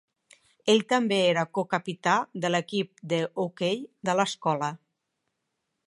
Ell també era co-capità de l"equip de hoquei de l"escola.